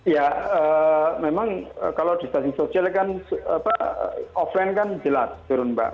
ya memang kalau di stasiun sosial kan offline kan jelas turun mbak